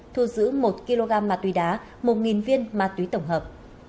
thu giữ một kg ma túy đá một viên ma túy tổng hợp